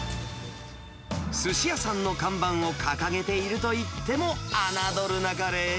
すし屋さんの看板を掲げているといっても侮るなかれ。